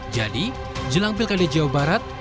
jadi jelang pilkada jawa barat